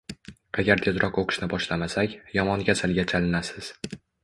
Agar tezroq o`qishni boshlamasak, yomon kasalga chalinasiz